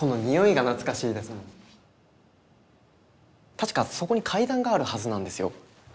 確かそこに階段があるはずなんですよ。